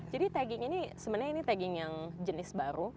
jadi tagging ini sebenarnya ini tagging yang jenis baru